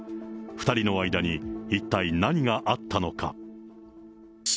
２人の間に一体何があったのか。